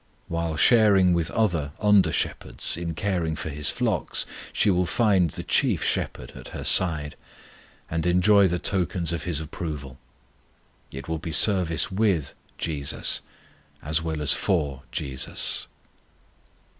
While sharing with other under shepherds in caring for His flock she will find the CHIEF SHEPHERD at her side, and enjoy the tokens of His approval. It will be service with JESUS as well as for JESUS.